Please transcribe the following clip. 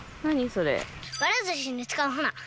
それ。